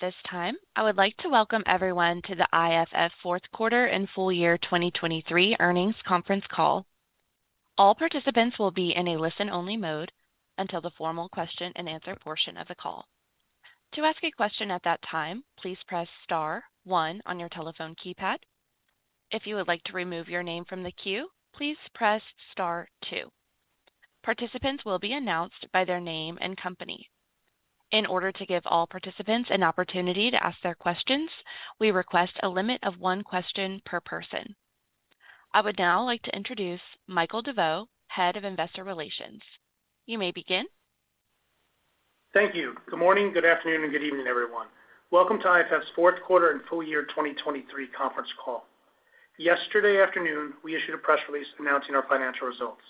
This time, I would like to welcome everyone to the IFF Fourth Quarter and Full Year 2023 Earnings Conference Call. All participants will be in a listen-only mode until the formal question-and-answer portion of the call. To ask a question at that time, please press star one on your telephone keypad. If you would like to remove your name from the queue, please press star two. Participants will be announced by their name and company. In order to give all participants an opportunity to ask their questions, we request a limit of one question per person. I would now like to introduce Michael DeVeau, head of investor relations. You may begin. Thank you. Good morning, good afternoon, and good evening, everyone. Welcome to IFF's fourth quarter and full year 2023 conference call. Yesterday afternoon, we issued a press release announcing our financial results.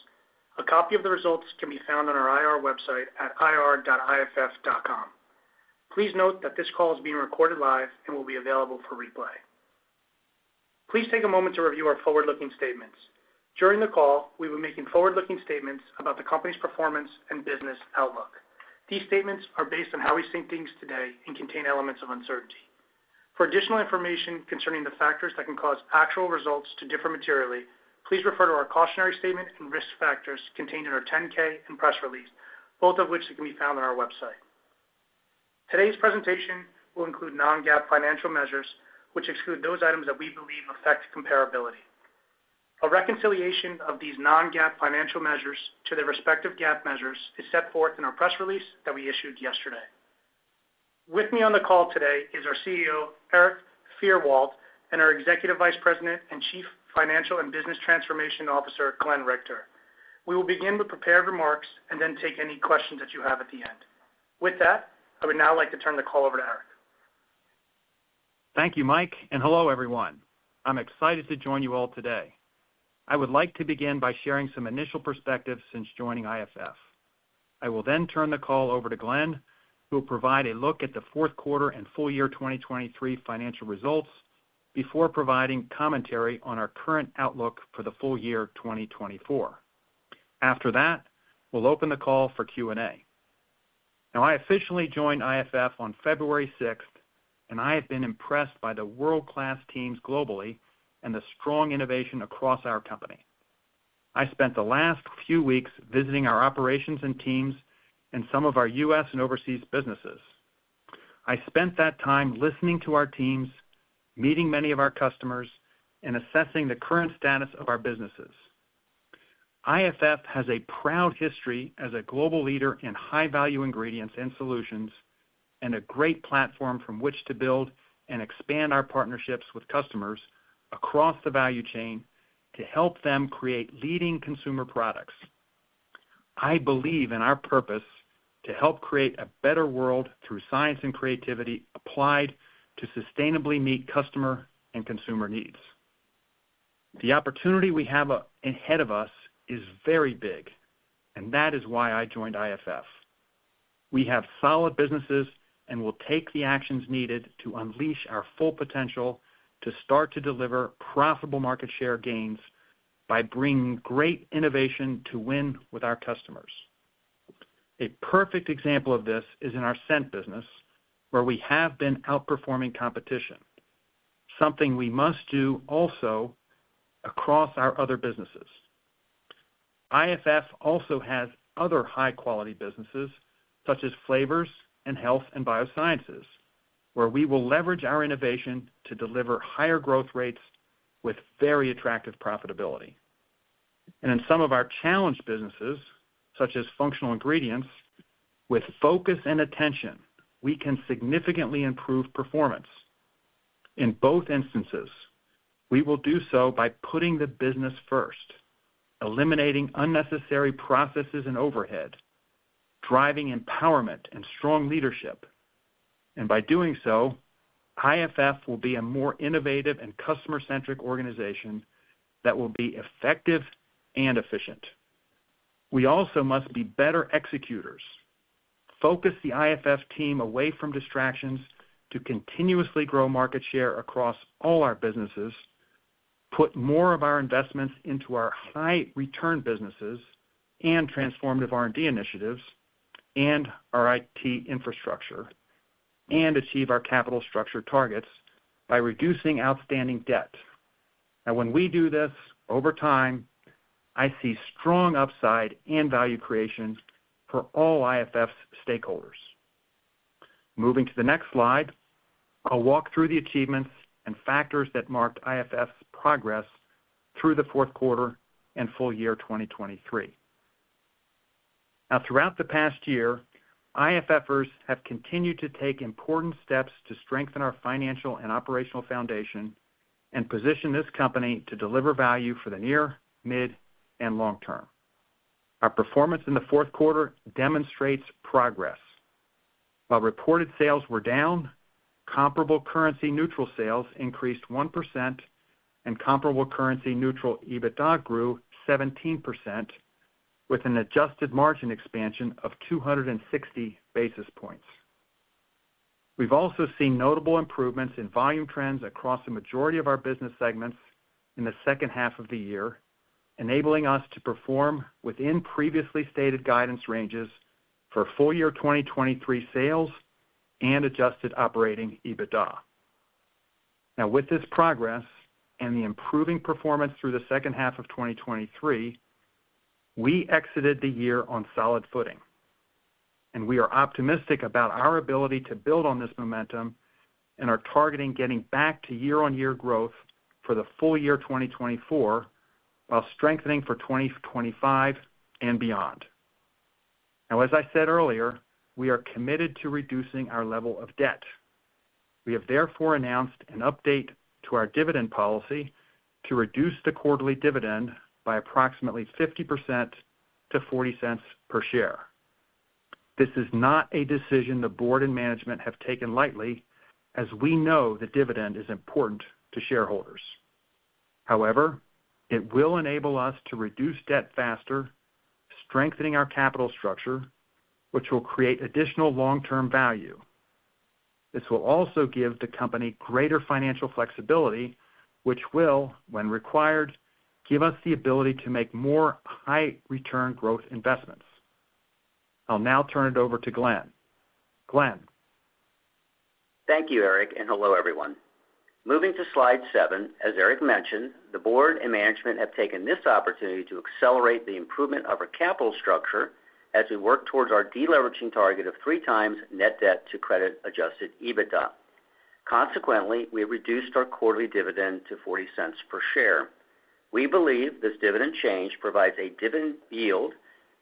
A copy of the results can be found on our IR website at ir.iff.com. Please note that this call is being recorded live and will be available for replay. Please take a moment to review our forward-looking statements. During the call, we will be making forward-looking statements about the company's performance and business outlook. These statements are based on how we think things today and contain elements of uncertainty. For additional information concerning the factors that can cause actual results to differ materially, please refer to our cautionary statement and risk factors contained in our 10-K and press release, both of which can be found on our website. Today's presentation will include non-GAAP financial measures, which exclude those items that we believe affect comparability. A reconciliation of these non-GAAP financial measures to their respective GAAP measures is set forth in our press release that we issued yesterday. With me on the call today is our CEO, Erik Fyrwald, and our Executive Vice President and Chief Financial and Business Transformation Officer, Glenn Richter. We will begin with prepared remarks and then take any questions that you have at the end. With that, I would now like to turn the call over to Erik. Thank you, Mike, and hello, everyone. I'm excited to join you all today. I would like to begin by sharing some initial perspectives since joining IFF. I will then turn the call over to Glenn, who will provide a look at the fourth quarter and full year 2023 financial results before providing commentary on our current outlook for the full year 2024. After that, we'll open the call for Q&A. Now, I officially joined IFF on February 6th, and I have been impressed by the world-class teams globally and the strong innovation across our company. I spent the last few weeks visiting our operations and teams and some of our U.S. and overseas businesses. I spent that time listening to our teams, meeting many of our customers, and assessing the current status of our businesses. IFF has a proud history as a global leader in high-value ingredients and solutions and a great platform from which to build and expand our partnerships with customers across the value chain to help them create leading consumer products. I believe in our purpose to help create a better world through science and creativity applied to sustainably meet customer and consumer needs. The opportunity we have ahead of us is very big, and that is why I joined IFF. We have solid businesses and will take the actions needed to unleash our full potential to start to deliver profitable market share gains by bringing great innovation to win with our customers. A perfect example of this is in our Scent business, where we have been outperforming competition, something we must do also across our other businesses. IFF also has other high-quality businesses such as Flavors and Health & Biosciences, where we will leverage our innovation to deliver higher growth rates with very attractive profitability. In some of our challenged businesses, such as Functional Ingredients, with focus and attention, we can significantly improve performance. In both instances, we will do so by putting the business first, eliminating unnecessary processes and overhead, driving empowerment and strong leadership. By doing so, IFF will be a more innovative and customer-centric organization that will be effective and efficient. We also must be better executors, focus the IFF team away from distractions to continuously grow market share across all our businesses, put more of our investments into our high-return businesses and transformative R&D initiatives and our IT infrastructure, and achieve our capital structure targets by reducing outstanding debt. Now, when we do this over time, I see strong upside and value creation for all IFF's stakeholders. Moving to the next slide, I'll walk through the achievements and factors that marked IFF's progress through the fourth quarter and full year 2023. Now, throughout the past year, IFFers have continued to take important steps to strengthen our financial and operational foundation and position this company to deliver value for the near, mid, and long term. Our performance in the fourth quarter demonstrates progress. While reported sales were down, comparable currency neutral sales increased 1%, and comparable currency neutral EBITDA grew 17% with an adjusted margin expansion of 260 basis points. We've also seen notable improvements in volume trends across the majority of our business segments in the second half of the year, enabling us to perform within previously stated guidance ranges for full year 2023 sales and adjusted operating EBITDA. Now, with this progress and the improving performance through the second half of 2023, we exited the year on solid footing. We are optimistic about our ability to build on this momentum and are targeting getting back to year-on-year growth for the full year 2024 while strengthening for 2025 and beyond. Now, as I said earlier, we are committed to reducing our level of debt. We have therefore announced an update to our dividend policy to reduce the quarterly dividend by approximately 50% to $0.40 per share. This is not a decision the board and management have taken lightly, as we know the dividend is important to shareholders. However, it will enable us to reduce debt faster, strengthening our capital structure, which will create additional long-term value. This will also give the company greater financial flexibility, which will, when required, give us the ability to make more high-return growth investments. I'll now turn it over to Glenn. Glenn. Thank you, Erik, and hello, everyone. Moving to slide 7, as Erik mentioned, the board and management have taken this opportunity to accelerate the improvement of our capital structure as we work towards our deleveraging target of 3x net debt to Credit Adjusted EBITDA. Consequently, we have reduced our quarterly dividend to $0.40 per share. We believe this dividend change provides a dividend yield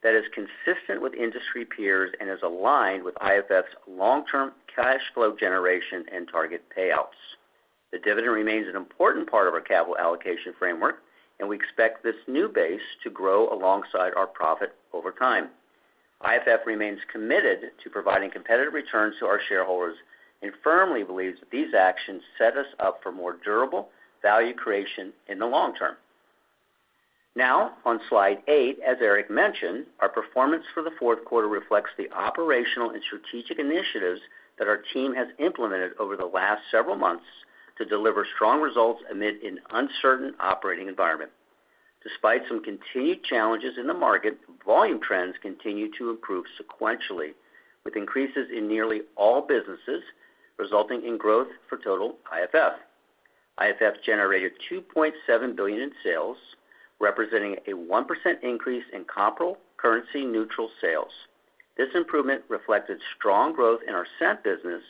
that is consistent with industry peers and is aligned with IFF's long-term cash flow generation and target payouts. The dividend remains an important part of our capital allocation framework, and we expect this new base to grow alongside our profit over time. IFF remains committed to providing competitive returns to our shareholders and firmly believes that these actions set us up for more durable value creation in the long term. Now, on slide 8, as Erik mentioned, our performance for the fourth quarter reflects the operational and strategic initiatives that our team has implemented over the last several months to deliver strong results amid an uncertain operating environment. Despite some continued challenges in the market, volume trends continue to improve sequentially, with increases in nearly all businesses resulting in growth for total IFF. IFF generated $2.7 billion in sales, representing a 1% increase in comparable currency neutral sales. This improvement reflected strong growth in our scent business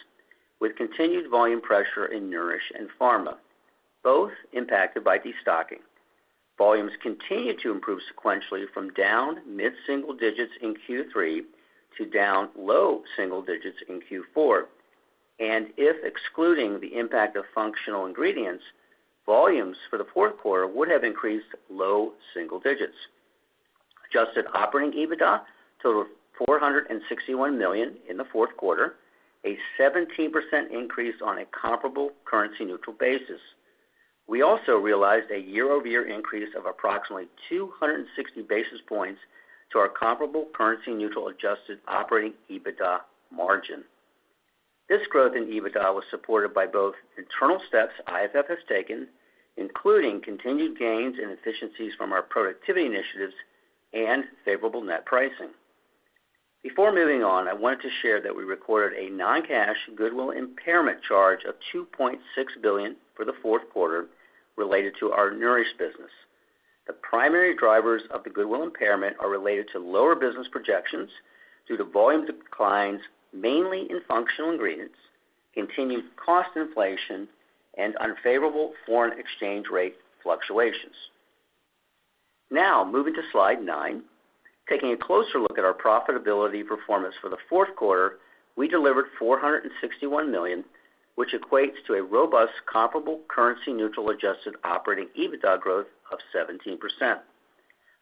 with continued volume pressure in Nourish and Pharma, both impacted by destocking. Volumes continue to improve sequentially from down mid-single digits in Q3 to down low single digits in Q4. And if excluding the impact of Functional Ingredients, volumes for the fourth quarter would have increased low single digits. Adjusted operating EBITDA, total of $461 million in the fourth quarter, a 17% increase on a comparable currency neutral basis. We also realized a year-over-year increase of approximately 260 basis points to our comparable currency neutral adjusted operating EBITDA margin. This growth in EBITDA was supported by both internal steps IFF has taken, including continued gains and efficiencies from our productivity initiatives and favorable net pricing. Before moving on, I wanted to share that we recorded a non-cash goodwill impairment charge of $2.6 billion for the fourth quarter related to our Nourish business. The primary drivers of the goodwill impairment are related to lower business projections due to volume declines, mainly in functional ingredients, continued cost inflation, and unfavorable foreign exchange rate fluctuations. Now, moving to slide 9, taking a closer look at our profitability performance for the fourth quarter, we delivered $461 million, which equates to a robust comparable currency neutral adjusted operating EBITDA growth of 17%.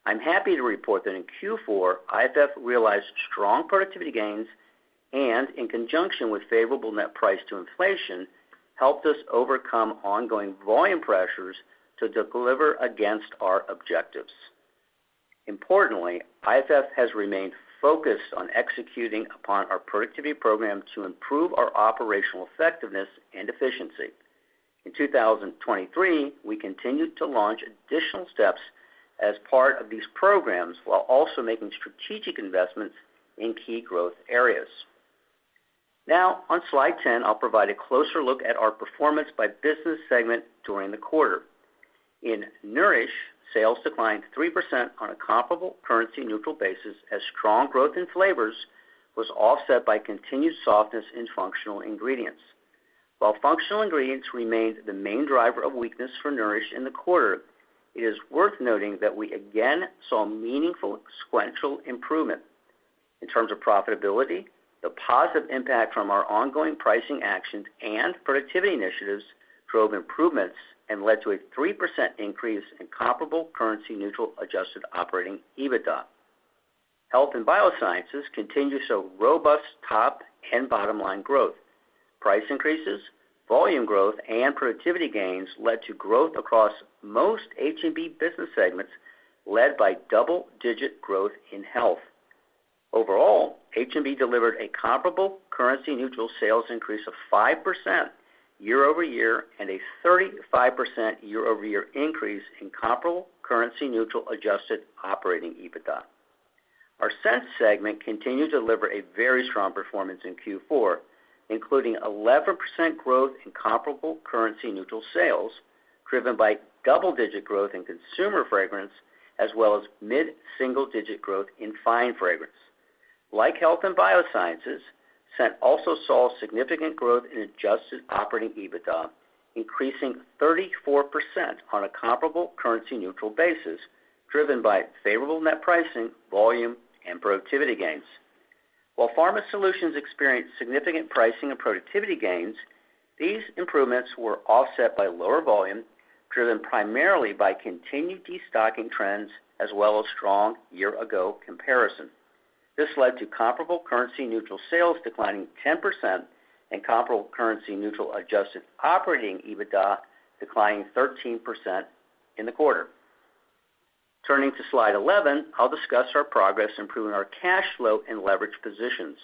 I'm happy to report that in Q4, IFF realized strong productivity gains and, in conjunction with favorable net price to inflation, helped us overcome ongoing volume pressures to deliver against our objectives. Importantly, IFF has remained focused on executing upon our productivity program to improve our operational effectiveness and efficiency. In 2023, we continued to launch additional steps as part of these programs while also making strategic investments in key growth areas. Now, on slide 10, I'll provide a closer look at our performance by business segment during the quarter. In Nourish, sales declined 3% on a comparable currency neutral basis as strong growth in flavors was offset by continued softness in functional ingredients. While functional ingredients remained the main driver of weakness for Nourish in the quarter, it is worth noting that we again saw meaningful sequential improvement. In terms of profitability, the positive impact from our ongoing pricing actions and productivity initiatives drove improvements and led to a 3% increase in Comparable Currency Neutral adjusted operating EBITDA. Health and Biosciences continue to show robust top and bottom line growth. Price increases, volume growth, and productivity gains led to growth across most H&B business segments, led by double-digit growth in Health. Overall, H&B delivered a Comparable Currency Neutral sales increase of 5% year-over-year and a 35% year-over-year increase in Comparable Currency Neutral adjusted operating EBITDA. Our Scent segment continued to deliver a very strong performance in Q4, including 11% growth in Comparable Currency Neutral sales driven by double-digit growth in Consumer Fragrance as well as mid-single digit growth in Fine Fragrance. Like Health and Biosciences, Scent also saw significant growth in adjusted operating EBITDA, increasing 34% on a Comparable Currency Neutral basis driven by favorable net pricing, volume, and productivity gains. While Pharma Solutions experienced significant pricing and productivity gains, these improvements were offset by lower volume driven primarily by continued destocking trends as well as strong year-ago comparison. This led to Comparable Currency Neutral sales declining 10% and Comparable Currency Neutral adjusted operating EBITDA declining 13% in the quarter. Turning to Slide 11, I'll discuss our progress improving our cash flow and leverage positions.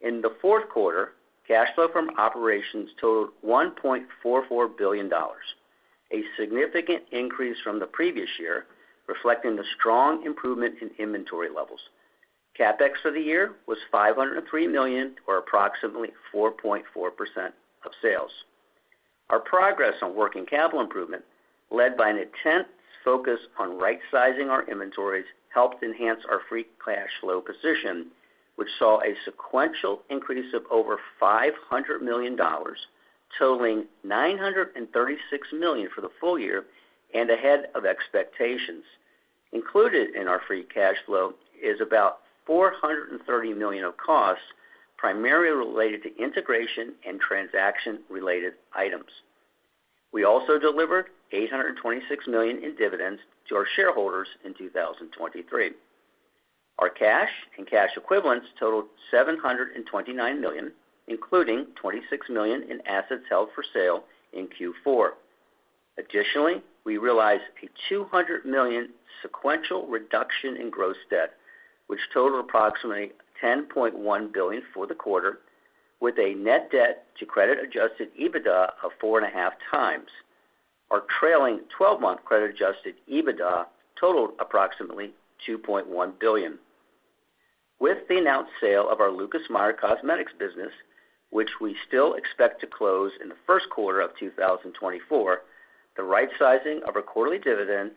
In the fourth quarter, cash flow from operations totaled $1.44 billion, a significant increase from the previous year reflecting the strong improvement in inventory levels. CapEx for the year was $503 million or approximately 4.4% of sales. Our progress on working capital improvement, led by an attempted focus on right-sizing our inventories, helped enhance our free cash flow position, which saw a sequential increase of over $500 million, totaling $936 million for the full year and ahead of expectations. Included in our free cash flow is about $430 million of costs, primarily related to integration and transaction-related items. We also delivered $826 million in dividends to our shareholders in 2023. Our cash and cash equivalents totaled $729 million, including $26 million in assets held for sale in Q4. Additionally, we realized a $200 million sequential reduction in gross debt, which totaled approximately $10.1 billion for the quarter, with a net debt to Credit-Adjusted EBITDA of 4.5x. Our trailing 12-month Credit-Adjusted EBITDA totaled approximately $2.1 billion. With the announced sale of our Lucas Meyer Cosmetics business, which we still expect to close in the first quarter of 2024, the right-sizing of our quarterly dividend,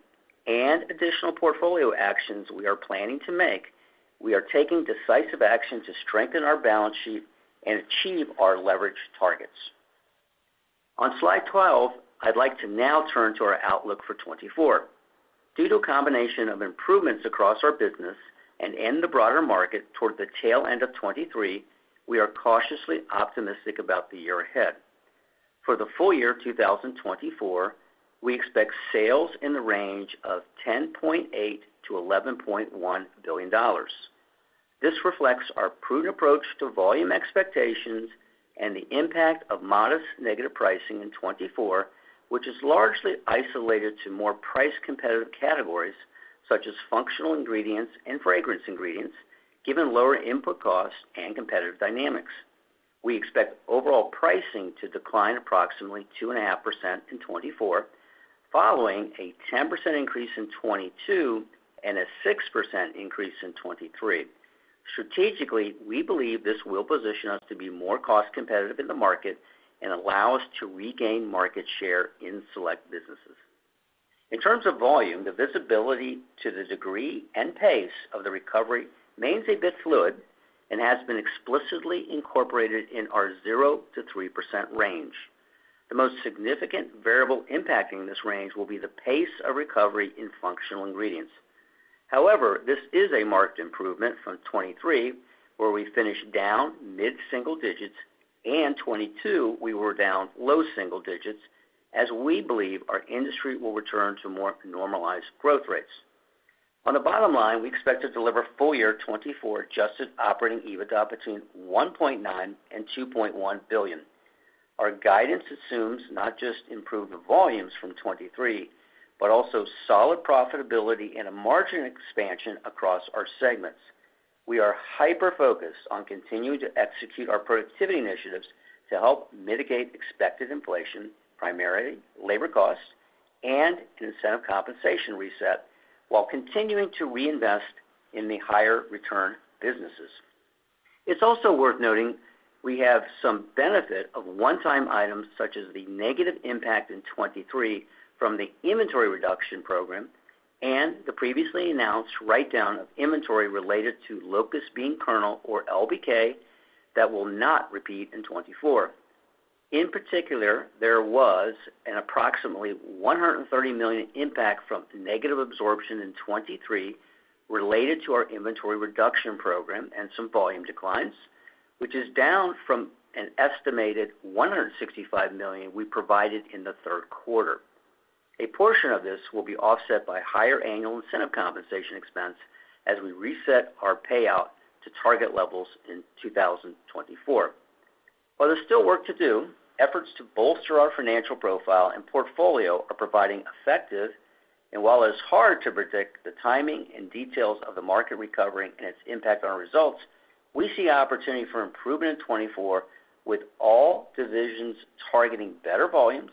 and additional portfolio actions we are planning to make, we are taking decisive action to strengthen our balance sheet and achieve our leverage targets. On slide 12, I'd like to now turn to our outlook for 2024. Due to a combination of improvements across our business and in the broader market toward the tail end of 2023, we are cautiously optimistic about the year ahead. For the full year 2024, we expect sales in the range of $10.8-$11.1 billion. This reflects our prudent approach to volume expectations and the impact of modest negative pricing in 2024, which is largely isolated to more price-competitive categories such as functional ingredients and Fragrance Ingredients, given lower input costs and competitive dynamics. We expect overall pricing to decline approximately 2.5% in 2024, following a 10% increase in 2022 and a 6% increase in 2023. Strategically, we believe this will position us to be more cost-competitive in the market and allow us to regain market share in select businesses. In terms of volume, the visibility to the degree and pace of the recovery remains a bit fluid and has been explicitly incorporated in our 0%-3% range. The most significant variable impacting this range will be the pace of recovery in functional ingredients. However, this is a marked improvement from 2023, where we finished down mid-single digits, and 2022, we were down low single digits, as we believe our industry will return to more normalized growth rates. On the bottom line, we expect to deliver full year 2024 adjusted operating EBITDA between $1.9-$2.1 billion. Our guidance assumes not just improved volumes from 2023 but also solid profitability and a margin expansion across our segments. We are hyper-focused on continuing to execute our productivity initiatives to help mitigate expected inflation, primarily labor costs, and an incentive compensation reset while continuing to reinvest in the higher-return businesses. It's also worth noting we have some benefit of one-time items such as the negative impact in 2023 from the inventory reduction program and the previously announced write-down of inventory related to Locust Bean Kernel or LBK that will not repeat in 2024. In particular, there was an approximately $130 million impact from negative absorption in 2023 related to our inventory reduction program and some volume declines, which is down from an estimated $165 million we provided in the third quarter. A portion of this will be offset by higher annual incentive compensation expense as we reset our payout to target levels in 2024. While there's still work to do, efforts to bolster our financial profile and portfolio are providing effective, and while it's hard to predict the timing and details of the market recovering and its impact on our results, we see opportunity for improvement in 2024 with all divisions targeting better volumes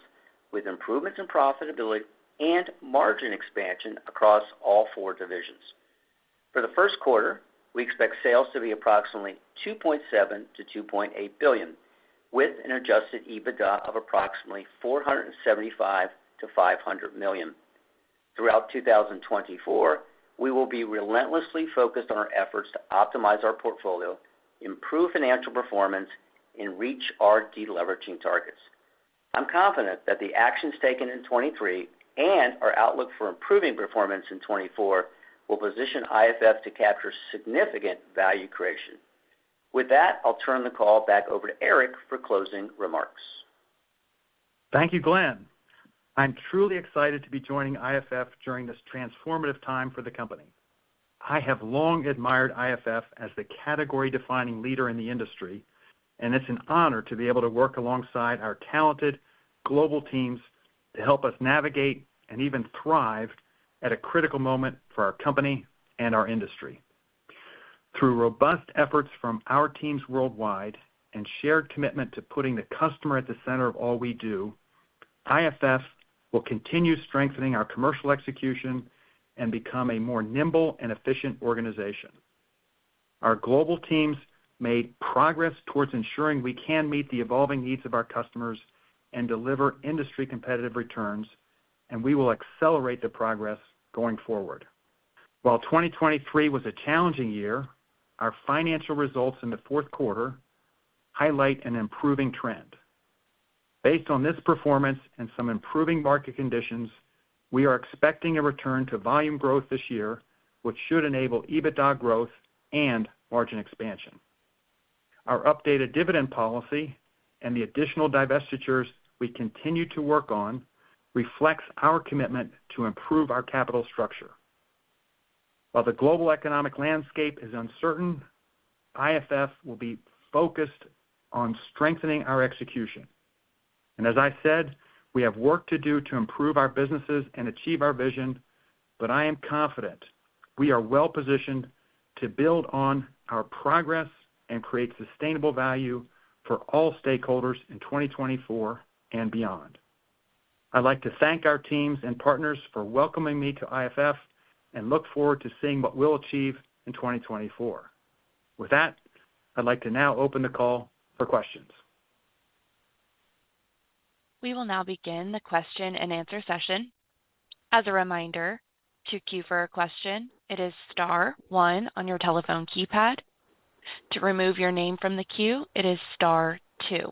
with improvements in profitability and margin expansion across all four divisions. For the first quarter, we expect sales to be approximately $2.7-$2.8 billion, with an adjusted EBITDA of approximately $475-$500 million. Throughout 2024, we will be relentlessly focused on our efforts to optimize our portfolio, improve financial performance, and reach our deleveraging targets. I'm confident that the actions taken in 2023 and our outlook for improving performance in 2024 will position IFF to capture significant value creation. With that, I'll turn the call back over to Erik for closing remarks. Thank you, Glenn. I'm truly excited to be joining IFF during this transformative time for the company. I have long admired IFF as the category-defining leader in the industry, and it's an honor to be able to work alongside our talented global teams to help us navigate and even thrive at a critical moment for our company and our industry. Through robust efforts from our teams worldwide and shared commitment to putting the customer at the center of all we do, IFF will continue strengthening our commercial execution and become a more nimble and efficient organization. Our global teams made progress towards ensuring we can meet the evolving needs of our customers and deliver industry-competitive returns, and we will accelerate the progress going forward. While 2023 was a challenging year, our financial results in the fourth quarter highlight an improving trend. Based on this performance and some improving market conditions, we are expecting a return to volume growth this year, which should enable EBITDA growth and margin expansion. Our updated dividend policy and the additional divestitures we continue to work on reflect our commitment to improve our capital structure. While the global economic landscape is uncertain, IFF will be focused on strengthening our execution. As I said, we have work to do to improve our businesses and achieve our vision, but I am confident we are well-positioned to build on our progress and create sustainable value for all stakeholders in 2024 and beyond. I'd like to thank our teams and partners for welcoming me to IFF and look forward to seeing what we'll achieve in 2024. With that, I'd like to now open the call for questions. We will now begin the question-and-answer session. As a reminder, to queue for a question, it is star 1 on your telephone keypad. To remove your name from the queue, it is star two.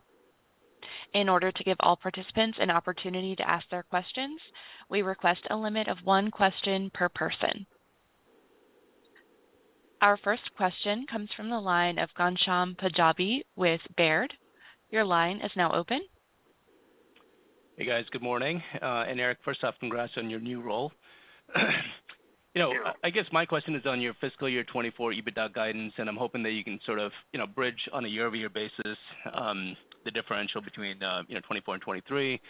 In order to give all participants an opportunity to ask their questions, we request a limit of one question per person. Our first question comes from the line of Ghansham Panjabi with Baird. Your line is now open. Hey guys, good morning. And Erik, first off, congrats on your new role. I guess my question is on your fiscal year 2024 EBITDA guidance, and I'm hoping that you can sort of bridge on a year-over-year basis the differential between 2024 and 2023.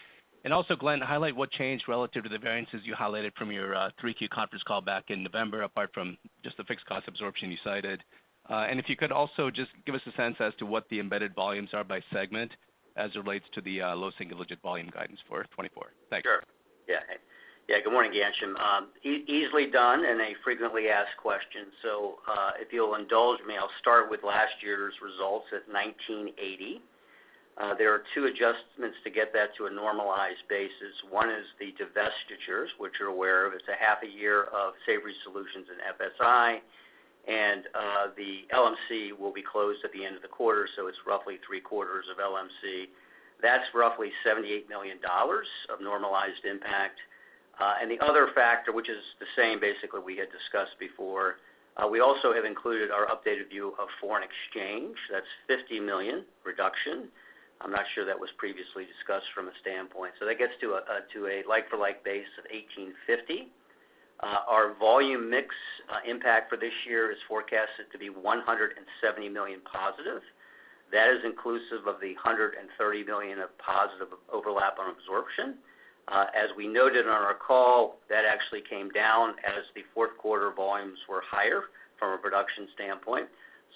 Also, Glenn, highlight what changed relative to the variances you highlighted from your 3Q conference call back in November, apart from just the fixed cost absorption you cited. And if you could also just give us a sense as to what the embedded volumes are by segment as it relates to the low single-digit volume guidance for 2024. Thanks. Sure. Yeah. Hey. Yeah, good morning, Gansham. Easily done and a frequently asked question. So if you'll indulge me, I'll start with last year's results at $19.80. There are two adjustments to get that to a normalized basis. One is the divestitures, which you're aware of. It's a half-a-year of Savory Solutions and FSI. And the LMC will be closed at the end of the quarter, so it's roughly three-quarters of LMC. That's roughly $78 million of normalized impact. The other factor, which is the same basically we had discussed before, we also have included our updated view of foreign exchange. That's $50 million reduction. I'm not sure that was previously discussed from a standpoint. So that gets to a like-for-like base of $18.50. Our volume mix impact for this year is forecasted to be $170 million positive. That is inclusive of the $130 million of positive overlap on absorption. As we noted on our call, that actually came down as the fourth quarter volumes were higher from a production standpoint,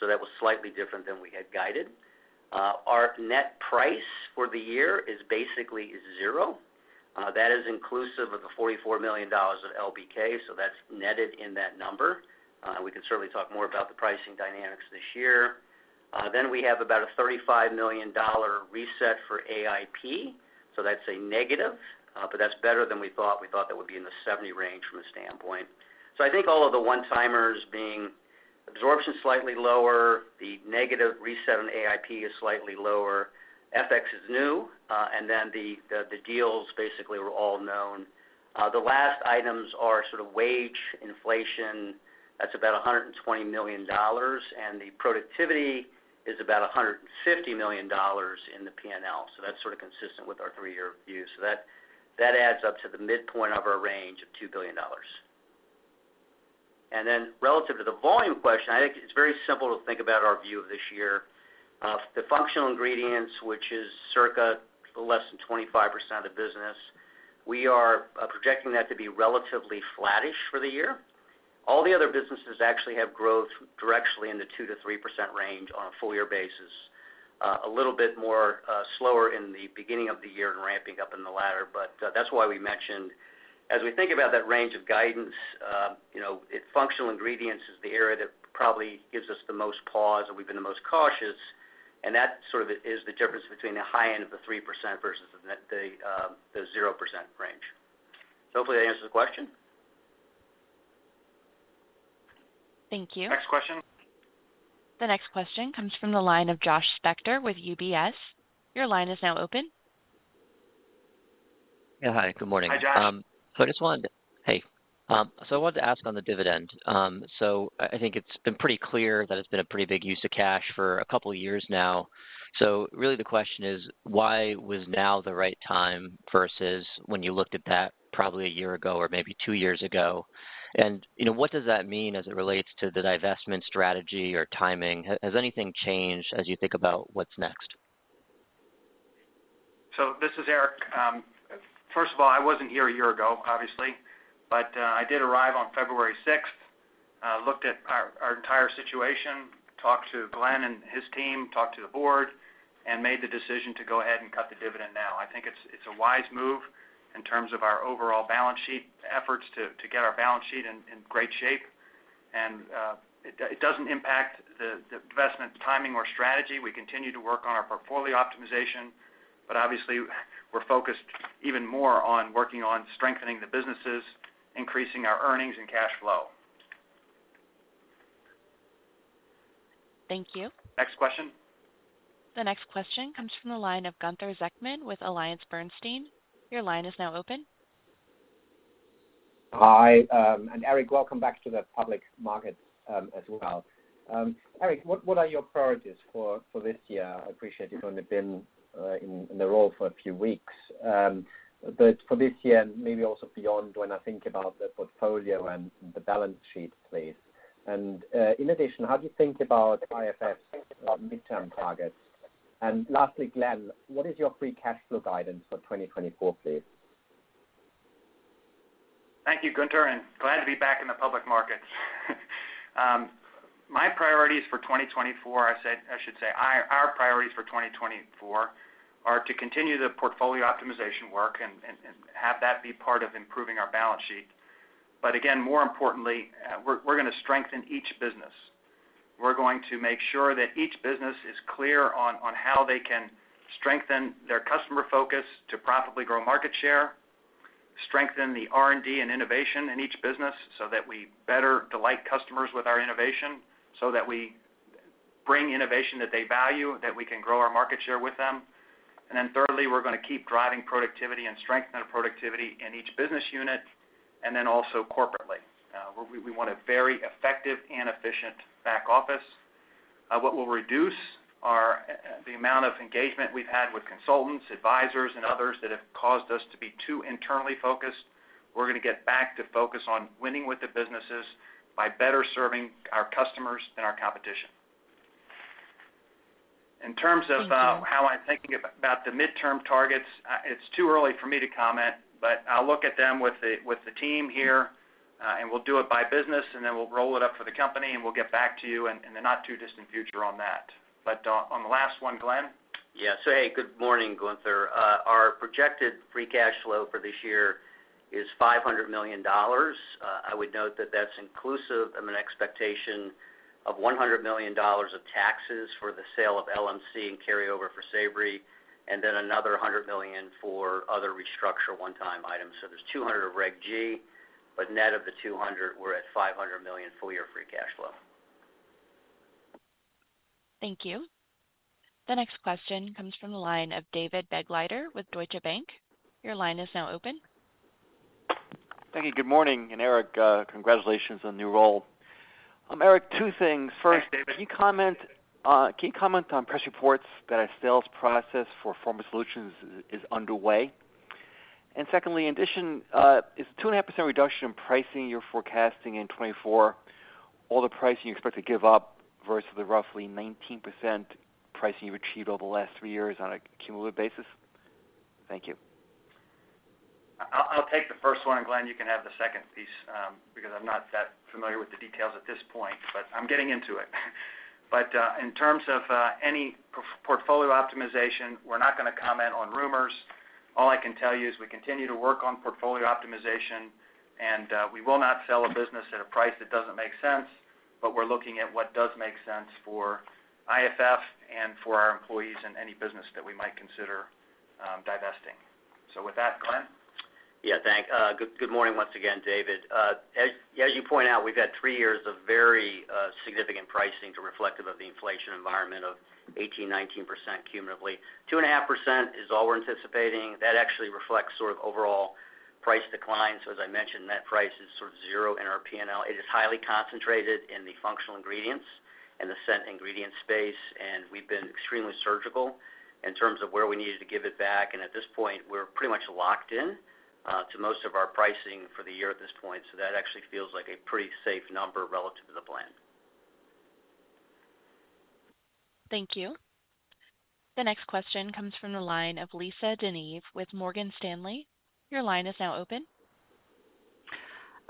so that was slightly different than we had guided. Our net price for the year basically is zero. That is inclusive of the $44 million of LBK, so that's netted in that number. We can certainly talk more about the pricing dynamics this year. Then we have about a $35 million reset for AIP, so that's a negative, but that's better than we thought. We thought that would be in the $70 million range from a standpoint. So I think all of the one-timers being absorption slightly lower, the negative reset on AIP is slightly lower, FX is new, and then the deals basically were all known. The last items are sort of wage inflation. That's about $120 million. And the productivity is about $150 million in the P&L. So that's sort of consistent with our three-year view. So that adds up to the midpoint of our range of $2 billion. And then relative to the volume question, I think it's very simple to think about our view of this year. The functional ingredients, which is circa less than 25% of the business, we are projecting that to be relatively flattish for the year. All the other businesses actually have growth directionally in the 2%-3% range on a full-year basis, a little bit more slower in the beginning of the year and ramping up in the latter. But that's why we mentioned as we think about that range of guidance, functional ingredients is the area that probably gives us the most pause and we've been the most cautious. And that sort of is the difference between the high end of the 3% versus the 0% range. So hopefully, that answers the question. Thank you. Next question. The next question comes from the line of Josh Spector with UBS. Your line is now open. Yeah, hi. Good morning. Hi, Josh. So I just wanted to ask on the dividend. So I think it's been pretty clear that it's been a pretty big use of cash for a couple of years now. So really, the question is, why was now the right time versus when you looked at that probably a year ago or maybe two years ago? And what does that mean as it relates to the divestment strategy or timing? Has anything changed as you think about what's next? So this is Erik. First of all, I wasn't here a year ago, obviously, but I did arrive on February 6th, looked at our entire situation, talked to Glenn and his team, talked to the board, and made the decision to go ahead and cut the dividend now. I think it's a wise move in terms of our overall balance sheet efforts to get our balance sheet in great shape. It doesn't impact the investment timing or strategy. We continue to work on our portfolio optimization, but obviously, we're focused even more on working on strengthening the businesses, increasing our earnings, and cash flow. Thank you. Next question. The next question comes from the line of Gunther Zechmann with Alliance Bernstein. Your line is now open. Hi. And Erik, welcome back to the public markets as well. Erik, what are your priorities for this year? I appreciate you've only been in the role for a few weeks. But for this year and maybe also beyond when I think about the portfolio and the balance sheet, please. And in addition, how do you think about IFF's midterm targets? And lastly, Glenn, what is your free cash flow guidance for 2024, please? Thank you, Gunther, and glad to be back in the public markets. My priorities for 2024, I should say, our priorities for 2024 are to continue the portfolio optimization work and have that be part of improving our balance sheet. But again, more importantly, we're going to strengthen each business. We're going to make sure that each business is clear on how they can strengthen their customer focus to profitably grow market share, strengthen the R&D and innovation in each business so that we better delight customers with our innovation, so that we bring innovation that they value, that we can grow our market share with them. And then thirdly, we're going to keep driving productivity and strengthen our productivity in each business unit and then also corporately. We want a very effective and efficient back office. What will reduce the amount of engagement we've had with consultants, advisors, and others that have caused us to be too internally focused? We're going to get back to focus on winning with the businesses by better serving our customers than our competition. In terms of how I'm thinking about the midterm targets, it's too early for me to comment, but I'll look at them with the team here, and we'll do it by business, and then we'll roll it up for the company, and we'll get back to you in the not-too-distant future on that. But on the last one, Glenn? Yeah. So hey, good morning, Gunther. Our projected free cash flow for this year is $500 million. I would note that that's inclusive of an expectation of $100 million of taxes for the sale of LMC and carryover for Savory, and then another $100 million for other restructure one-time items. So there's $200 of Reg G, but net of the $200, we're at $500 million full-year free cash flow. Thank you. The next question comes from the line of David Begleiter with Deutsche Bank. Your line is now open. Thank you. Good morning, Erik. Congratulations on the new role. Erik, two things. First, can you comment on press reports that our sales process for Pharma Solutions is underway? And secondly, in addition, is the 2.5% reduction in pricing you're forecasting in 2024 all the pricing you expect to give up versus the roughly 19% pricing you've achieved over the last three years on a cumulative basis? Thank you. I'll take the first one, and Glenn, you can have the second piece because I'm not that familiar with the details at this point, but I'm getting into it. But in terms of any portfolio optimization, we're not going to comment on rumors. All I can tell you is we continue to work on portfolio optimization, and we will not sell a business at a price that doesn't make sense, but we're looking at what does make sense for IFF and for our employees and any business that we might consider divesting. So with that, Glenn? Yeah, thanks. Good morning once again, David. As you point out, we've had three years of very significant pricing reflective of the inflation environment of 18%-19% cumulatively. 2.5% is all we're anticipating. That actually reflects sort of overall price decline. So as I mentioned, net price is sort of zero in our P&L. It is highly concentrated in the functional ingredients and the scent ingredient space, and we've been extremely surgical in terms of where we needed to give it back. And at this point, we're pretty much locked in to most of our pricing for the year at this point, so that actually feels like a pretty safe number relative to the plan. Thank you. The next question comes from the line of Lisa De Neve with Morgan Stanley. Your line is now open.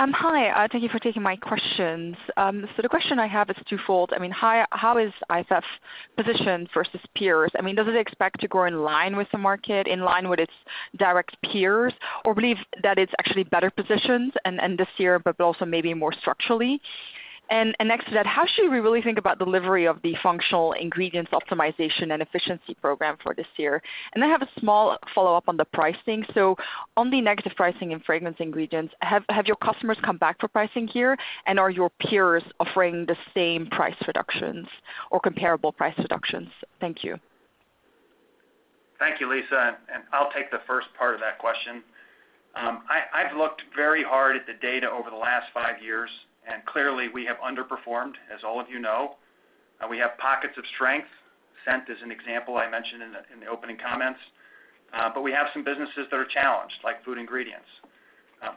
Hi. Thank you for taking my questions. So the question I have is twofold. I mean, how is IFF positioned versus peers? I mean, does it expect to grow in line with the market, in line with its direct peers, or believe that it's actually better positioned this year but also maybe more structurally? Next to that, how should we really think about delivery of the functional ingredients optimization and efficiency program for this year? I have a small follow-up on the pricing. On the negative pricing and fragrance ingredients, have your customers come back for pricing here, and are your peers offering the same price reductions or comparable price reductions? Thank you. Thank you, Lisa. I'll take the first part of that question. I've looked very hard at the data over the last five years, and clearly, we have underperformed, as all of you know. We have pockets of strength. Scent is an example I mentioned in the opening comments. But we have some businesses that are challenged, like food ingredients.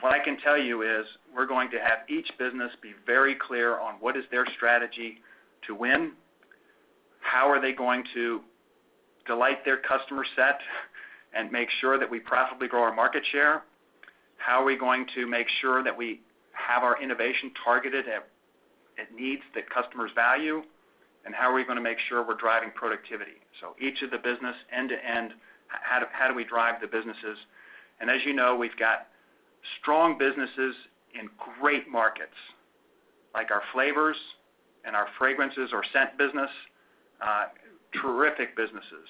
What I can tell you is we're going to have each business be very clear on what is their strategy to win, how are they going to delight their customer set and make sure that we profitably grow our market share, how are we going to make sure that we have our innovation targeted at needs that customers value, and how are we going to make sure we're driving productivity? So each of the business, end-to-end, how do we drive the businesses? And as you know, we've got strong businesses in great markets like our flavors and our fragrances or scent business, terrific businesses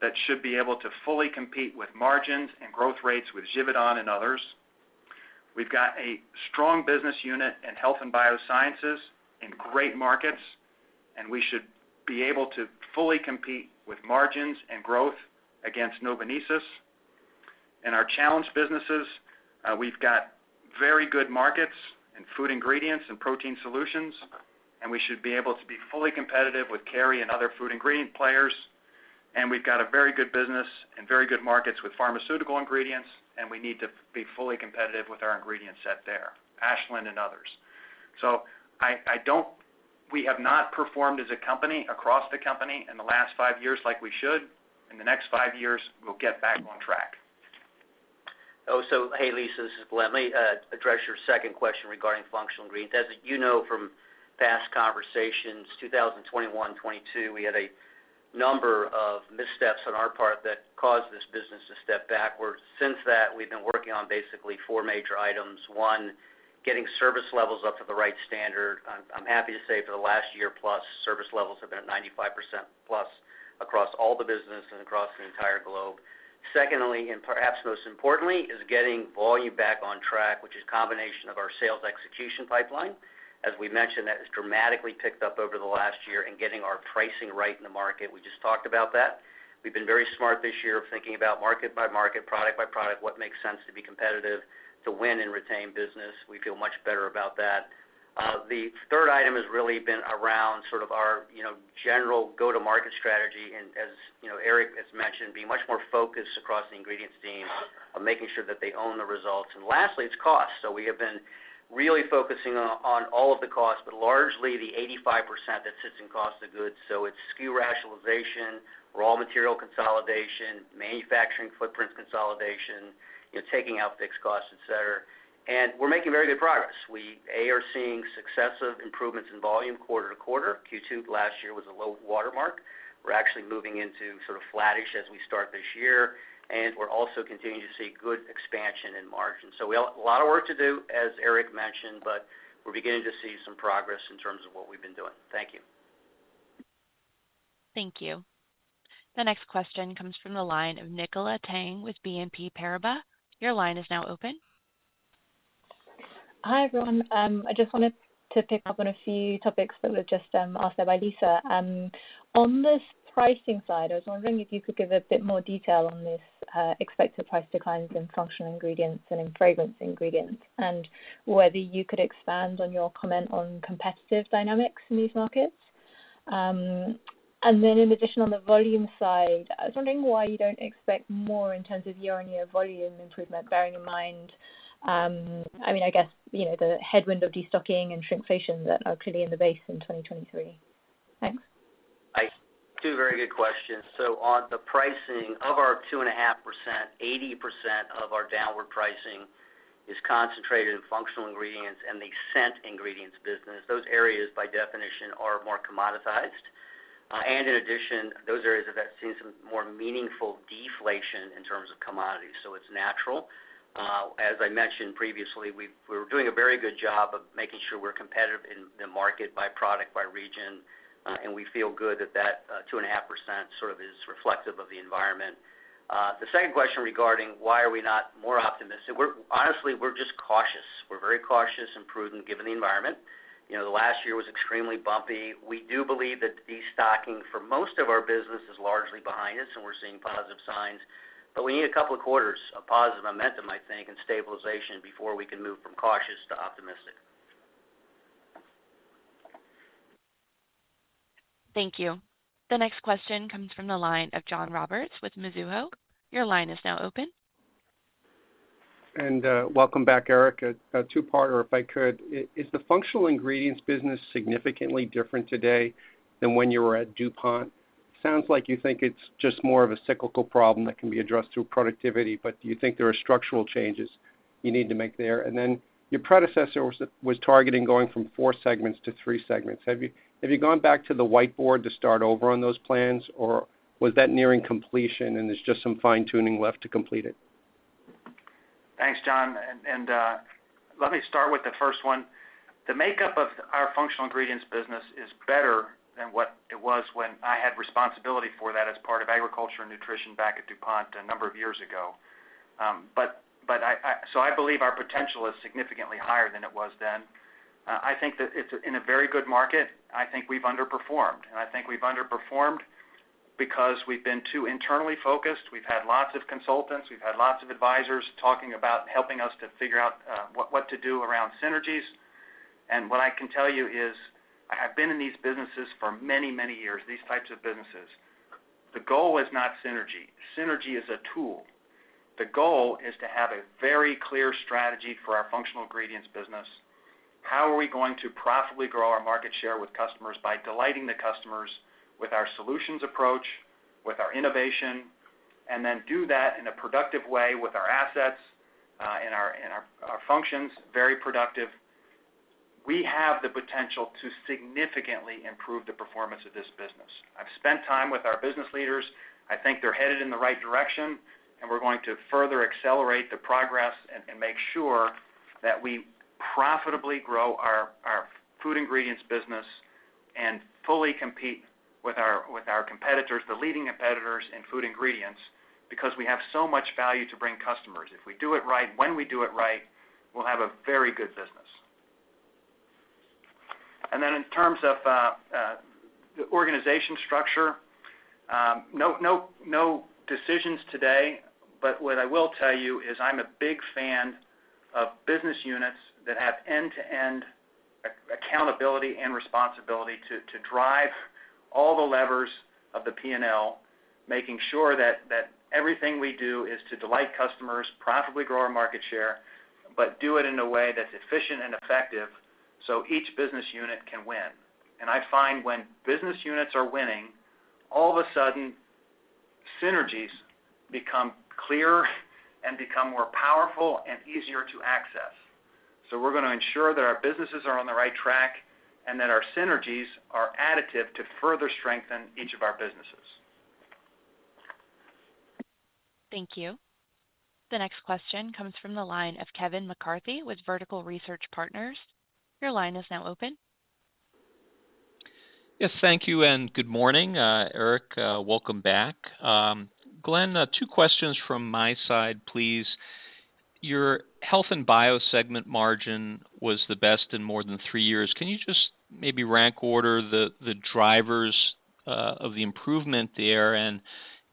that should be able to fully compete with margins and growth rates with Givaudan and others. We've got a strong business unit in health and biosciences in great markets, and we should be able to fully compete with margins and growth against Novonesis. In our challenged businesses, we've got very good markets in food ingredients and Protein Solutions, and we should be able to be fully competitive with Kerry and other food ingredient players. We've got a very good business and very good markets with pharmaceutical ingredients, and we need to be fully competitive with our ingredient set there, Ashland and others. So we have not performed as a company across the company in the last five years like we should. In the next five years, we'll get back on track. Oh, so hey, Lisa. This is Glenn. Let me address your second question regarding functional ingredients. As you know from past conversations, 2021, 2022, we had a number of missteps on our part that caused this business to step backwards. Since then, we've been working on basically four major items. One, getting service levels up to the right standard. I'm happy to say for the last year-plus, service levels have been at 95%+ across all the businesses across the entire globe. Secondly, and perhaps most importantly, is getting volume back on track, which is a combination of our sales execution pipeline. As we mentioned, that has dramatically picked up over the last year in getting our pricing right in the market. We just talked about that. We've been very smart this year of thinking about market by market, product by product, what makes sense to be competitive to win and retain business. We feel much better about that. The third item has really been around sort of our general go-to-market strategy and, as Erik has mentioned, being much more focused across the ingredients team of making sure that they own the results. And lastly, it's cost. So we have been really focusing on all of the cost, but largely, the 85% that sits in cost of goods. So it's SKU rationalization, raw material consolidation, manufacturing footprint consolidation, taking out fixed costs, etc. And we're making very good progress. We are seeing successive improvements in volume quarter to quarter. Q2 last year was a low watermark. We're actually moving into sort of flattish as we start this year, and we're also continuing to see good expansion in margin. So a lot of work to do, as Erik mentioned, but we're beginning to see some progress in terms of what we've been doing. Thank you. Thank you. The next question comes from the line of Nicola Tang with BNP Paribas. Your line is now open. Hi, everyone. I just wanted to pick up on a few topics that were just asked there by Lisa. On this pricing side, I was wondering if you could give a bit more detail on these expected price declines in functional ingredients and in fragrance ingredients and whether you could expand on your comment on competitive dynamics in these markets? And then in addition, on the volume side, I was wondering why you don't expect more in terms of year-on-year volume improvement bearing in mind, I mean, the headwind of destocking and shrinkflation that are clearly in the base in 2023? Thanks. Those are very good questions. So on the pricing of our 2.5%, 80% of our downward pricing is concentrated in functional ingredients and the Scent Ingredients business. Those areas, by definition, are more commoditized. And in addition, those areas have seen some more meaningful deflation in terms of commodities, so it's natural. As I mentioned previously, we're doing a very good job of making sure we're competitive in the market by product, by region, and we feel good that that 2.5% sort of is reflective of the environment. The second question regarding why are we not more optimistic? Honestly, we're just cautious. We're very cautious and prudent given the environment. The last year was extremely bumpy. We do believe that destocking for most of our business is largely behind us, and we're seeing positive signs. But we need a couple of quarters of positive momentum, I think, and stabilization before we can move from cautious to optimistic. Thank you. The next question comes from the line of John Roberts with Mizuho. Your line is now open. And welcome back, Erik. A two-parter, if I could. Is the functional ingredients business significantly different today than when you were at DuPont? Sounds like you think it's just more of a cyclical problem that can be addressed through productivity, but do you think there are structural changes you need to make there? And then your predecessor was targeting going from four segments to three segments. Have you gone back to the whiteboard to start over on those plans, or was that nearing completion, and there's just some fine-tuning left to complete it? Thanks, John. Let me start with the first one. The makeup of our functional ingredients business is better than what it was when I had responsibility for that as part of agriculture and nutrition back at DuPont a number of years ago. So I believe our potential is significantly higher than it was then. I think that it's in a very good market. I think we've underperformed. I think we've underperformed because we've been too internally focused. We've had lots of consultants. We've had lots of advisors talking about helping us to figure out what to do around synergies. What I can tell you is I have been in these businesses for many, many years, these types of businesses. The goal is not synergy. Synergy is a tool. The goal is to have a very clear strategy for our functional ingredients business. How are we going to profitably grow our market share with customers by delighting the customers with our solutions approach, with our innovation, and then do that in a productive way with our assets and our functions, very productive? We have the potential to significantly improve the performance of this business. I've spent time with our business leaders. I think they're headed in the right direction, and we're going to further accelerate the progress and make sure that we profitably grow our food ingredients business and fully compete with our competitors, the leading competitors in food ingredients, because we have so much value to bring customers. If we do it right, when we do it right, we'll have a very good business. And then in terms of the organization structure, no decisions today, but what I will tell you is I'm a big fan of business units that have end-to-end accountability and responsibility to drive all the levers of the P&L, making sure that everything we do is to delight customers, profitably grow our market share, but do it in a way that's efficient and effective so each business unit can win. And I find when business units are winning, all of a sudden, synergies become clearer and become more powerful and easier to access. So we're going to ensure that our businesses are on the right track and that our synergies are additive to further strengthen each of our businesses. Thank you. The next question comes from the line of Kevin McCarthy with Vertical Research Partners. Your line is now open. Yes, thank you and good morning, Erik. Welcome back. Glenn, two questions from my side, please. Your health and bio segment margin was the best in more than three years. Can you just maybe rank order the drivers of the improvement there? And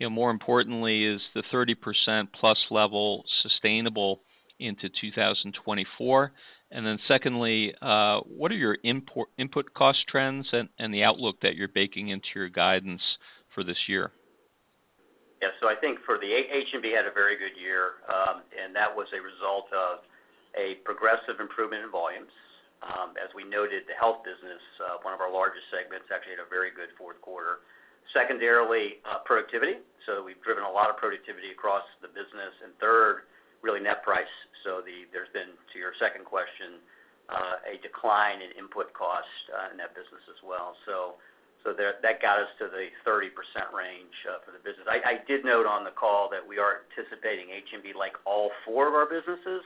more importantly, is the 30%+ level sustainable into 2024? And then secondly, what are your input cost trends and the outlook that you're baking into your guidance for this year? Yeah. So I think for the H&B had a very good year, and that was a result of a progressive improvement in volumes. As we noted, the health business, one of our largest segments, actually had a very good fourth quarter. Secondarily, productivity. So we've driven a lot of productivity across the business. And third, really, net price. So there's been, to your second question, a decline in input cost in that business as well. So that got us to the 30% range for the business. I did note on the call that we are anticipating H&B, like all four of our businesses,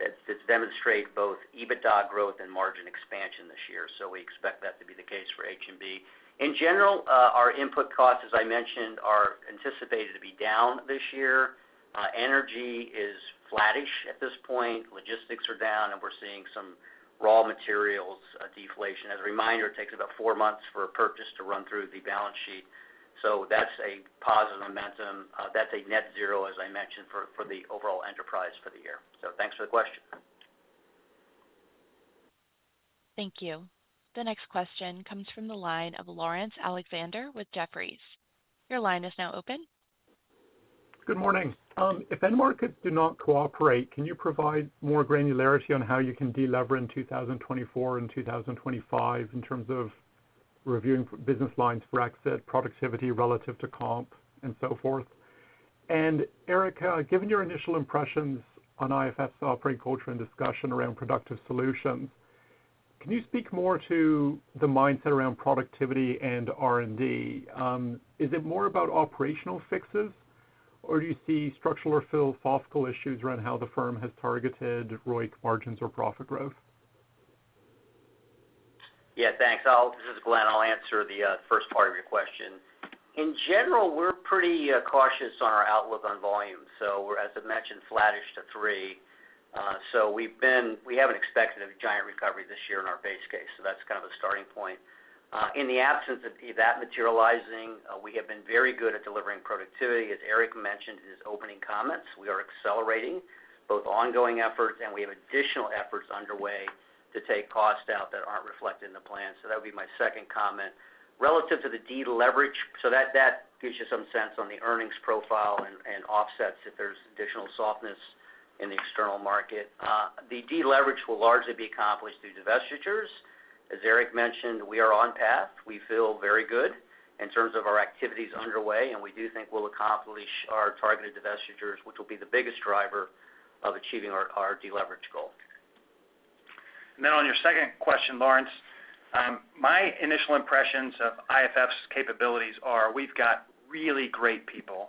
to demonstrate both EBITDA growth and margin expansion this year. So we expect that to be the case for H&B. In general, our input costs, as I mentioned, are anticipated to be down this year. Energy is flattish at this point. Logistics are down, and we're seeing some raw materials deflation. As a reminder, it takes about four months for a purchase to run through the balance sheet. So that's a positive momentum. That's a net zero, as I mentioned, for the overall enterprise for the year. So thanks for the question. Thank you. The next question comes from the line of Laurence Alexander with Jefferies. Your line is now open. Good morning. If end markets do not cooperate, can you provide more granularity on how you can delever in 2024 and 2025 in terms of reviewing business lines for exit, productivity relative to comp, and so forth? And Erik, given your initial impressions on IFF operating culture and discussion around productive solutions, can you speak more to the mindset around productivity and R&D? Is it more about operational fixes, or do you see structural or philosophical issues around how the firm has targeted ROIC, margins, or profit growth? Yeah, thanks. This is Glenn. I'll answer the first part of your question. In general, we're pretty cautious on our outlook on volume. So we're, as I mentioned, flattish to three. So we haven't expected a giant recovery this year in our base case. So that's kind of a starting point. In the absence of that materializing, we have been very good at delivering productivity. As Erik mentioned in his opening comments, we are accelerating both ongoing efforts, and we have additional efforts underway to take costs out that aren't reflected in the plans. So that would be my second comment. Relative to the deleverage, so that gives you some sense on the earnings profile and offsets if there's additional softness in the external market. The deleverage will largely be accomplished through divestitures. As Erik mentioned, we are on path. We feel very good in terms of our activities underway, and we do think we'll accomplish our targeted divestitures, which will be the biggest driver of achieving our deleverage goal. And then on your second question, Lawrence, my initial impressions of IFF's capabilities are we've got really great people.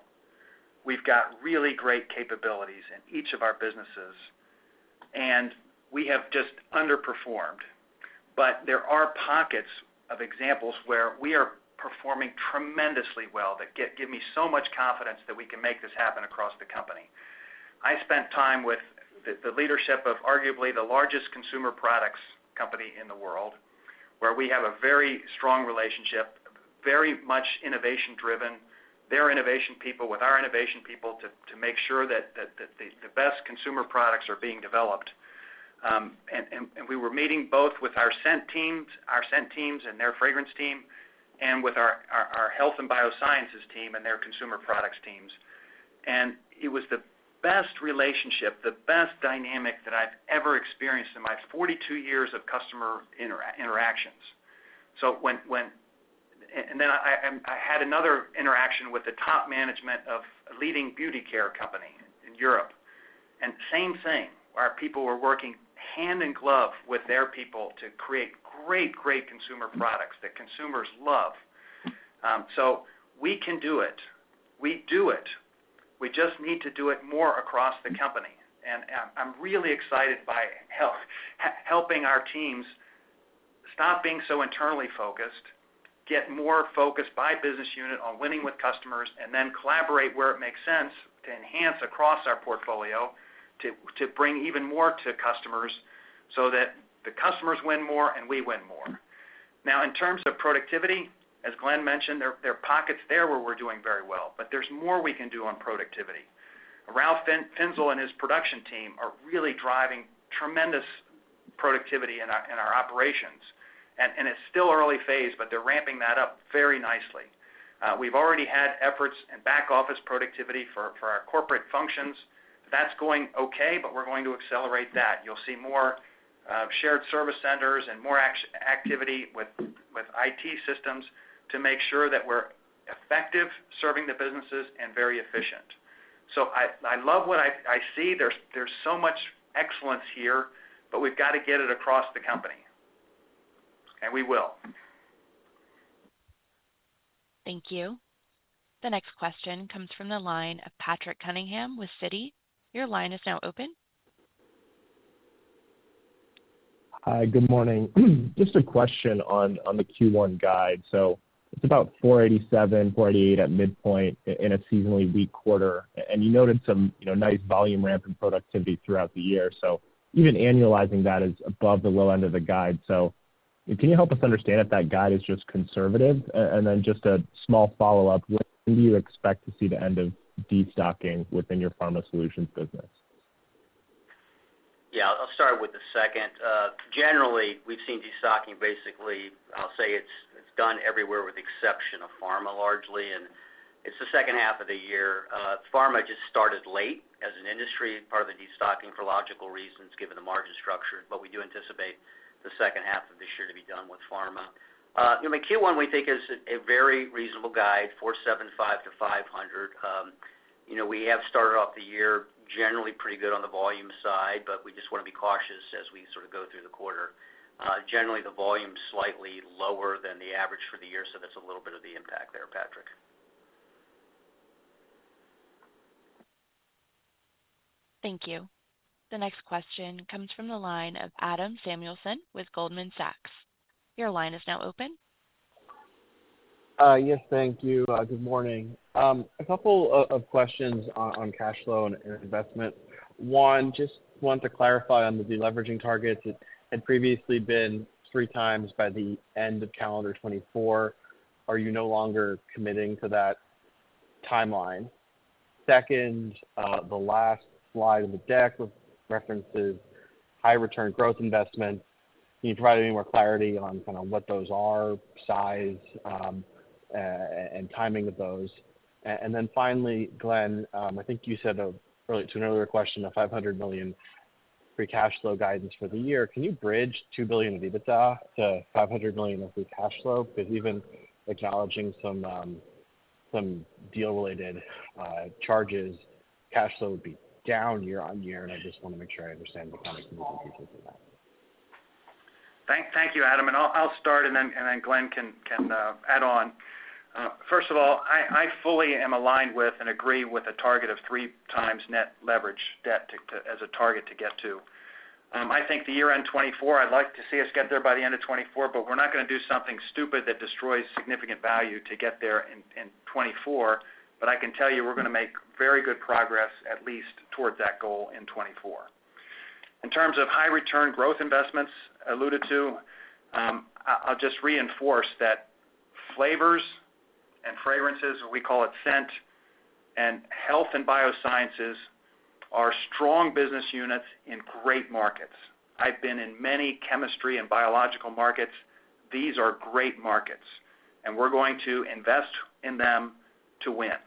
We've got really great capabilities in each of our businesses, and we have just underperformed. But there are pockets of examples where we are performing tremendously well that give me so much confidence that we can make this happen across the company. I spent time with the leadership of arguably the largest consumer products company in the world, where we have a very strong relationship, very much innovation-driven, their innovation people with our innovation people to make sure that the best consumer products are being developed. We were meeting both with our Scent teams and their fragrance team and with our Health and Biosciences team and their consumer products teams. It was the best relationship, the best dynamic that I've ever experienced in my 42 years of customer interactions. Then I had another interaction with the top management of a leading beauty care company in Europe. Same thing. Our people were working hand in glove with their people to create great, great consumer products that consumers love. We can do it. We do it. We just need to do it more across the company. I'm really excited by helping our teams stop being so internally focused, get more focused by business unit on winning with customers, and then collaborate where it makes sense to enhance across our portfolio to bring even more to customers so that the customers win more and we win more. Now, in terms of productivity, as Glenn mentioned, there are pockets there where we're doing very well, but there's more we can do on productivity. Ralf Finzel and his production team are really driving tremendous productivity in our operations. It's still early phase, but they're ramping that up very nicely. We've already had efforts in back-office productivity for our corporate functions. That's going okay, but we're going to accelerate that. You'll see more shared service centers and more activity with IT systems to make sure that we're effective serving the businesses and very efficient. So I love what I see. There's so much excellence here, but we've got to get it across the company. And we will. Thank you. The next question comes from the line of Patrick Cunningham with Citi. Your line is now open. Hi, good morning. Just a question on the Q1 guide. So it's about $487-$488 at midpoint in a seasonally weak quarter. And you noted some nice volume ramp in productivity throughout the year. So even annualizing that is above the low end of the guide. So can you help us understand if that guide is just conservative? And then just a small follow-up, when do you expect to see the end of destocking within your Pharma Solutions business? Yeah, I'll start with the second. Generally, we've seen destocking basically. I'll say it's done everywhere with the exception of pharma largely. It's the second half of the year. Pharma just started late as an industry, part of the destocking for logical reasons given the margin structure. But we do anticipate the second half of this year to be done with pharma. My Q1, we think, is a very reasonable guide, $475-$500. We have started off the year generally pretty good on the volume side, but we just want to be cautious as we sort of go through the quarter. Generally, the volume's slightly lower than the average for the year, so that's a little bit of the impact there, Patrick. Thank you. The next question comes from the line of Adam Samuelson with Goldman Sachs. Your line is now open. Yes, thank you. Good morning. A couple of questions on cash flow and investment. One, just want to clarify on the deleveraging targets. It had previously been three times by the end of calendar 2024. Are you no longer committing to that timeline? Second, the last slide of the deck references high-return growth investments. Can you provide any more clarity on kind of what those are, size, and timing of those? And then finally, Glenn, I think you said to an earlier question of $500 million free cash flow guidance for the year. Can you bridge $2 billion of EBITDA to $500 million of free cash flow? Because even acknowledging some deal-related charges, cash flow would be down year-on-year. And I just want to make sure I understand the kind of moving pieces of that. Thank you, Adam. And I'll start, and then Glenn can add on. First of all, I fully am aligned with and agree with a target of 3x net leverage debt as a target to get to. I think the year-end 2024, I'd like to see us get there by the end of 2024, but we're not going to do something stupid that destroys significant value to get there in 2024. But I can tell you we're going to make very good progress, at least towards that goal in 2024. In terms of high-return growth investments alluded to, I'll just reinforce that flavors and fragrances, we call it Scent, and health and biosciences are strong business units in great markets. I've been in many chemistry and biological markets. These are great markets, and we're going to invest in them to win.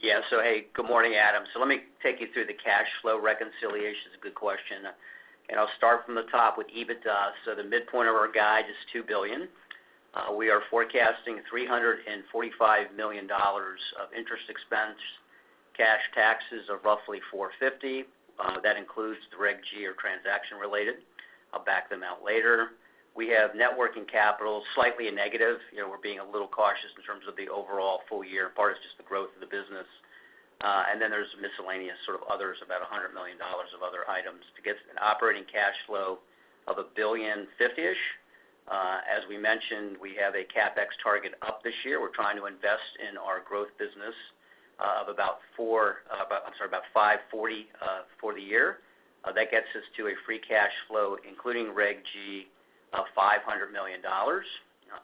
Yeah. So hey, good morning, Adam. So let me take you through the cash flow reconciliation. It's a good question. I'll start from the top with EBITDA. The midpoint of our guide is $2 billion. We are forecasting $345 million of interest expense, cash taxes of roughly $450 million. That includes the Reg G or transaction-related. I'll back them out later. We have net working capital, slightly negative. We're being a little cautious in terms of the overall full year. Part of it's just the growth of the business. Then there's miscellaneous sort of others, about $100 million of other items. It gets an operating cash flow of $1.05 billion-ish. As we mentioned, we have a CapEx target up this year. We're trying to invest in our growth business. I'm sorry, about $540 million for the year. That gets us to a free cash flow, including Reg G, of $500 million.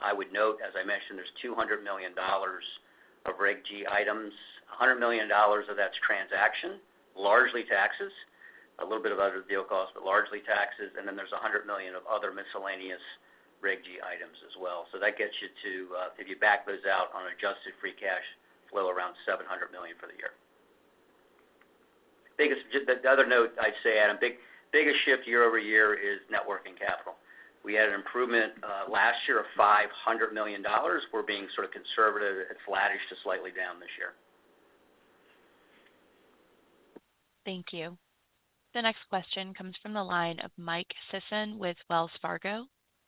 I would note, as I mentioned, there's $200 million of Reg G items. $100 million of that's transaction, largely taxes, a little bit of other deal costs, but largely taxes. Then there's $100 million of other miscellaneous Reg G items as well. So that gets you to if you back those out on adjusted free cash flow, around $700 million for the year. The other note I'd say, Adam, biggest shift year-over-year is net working capital. We had an improvement last year of $500 million. We're being sort of conservative. It's flattish to slightly down this year. Thank you. The next question comes from the line of Mike Sisson with Wells Fargo.